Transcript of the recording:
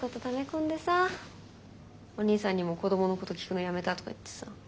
ため込んでさお兄さんにも子どものこと聞くのやめたとか言ってさ。